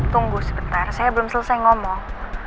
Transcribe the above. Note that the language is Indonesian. tunggu sebentar saya belum selesai ngomong